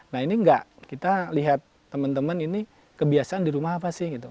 nah ini enggak kita lihat teman teman ini kebiasaan di rumah apa sih gitu